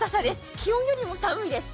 気温よりも寒いです。